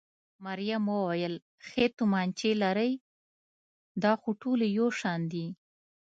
مريم وویل: ښې تومانچې لرئ؟ دا خو ټولې یو شان دي.